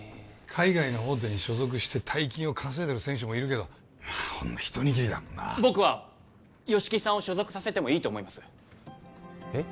海外の大手に所属して大金を稼いでる選手もいるけどまあほんの一握りだもんな僕は吉木さんを所属させてもいいと思いますえっ？